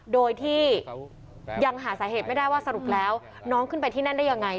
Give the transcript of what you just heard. โดยที่ยังหาสาเหตุไม่ได้ว่าสรุปแล้วน้องขึ้นไปที่นั่นได้ยังไง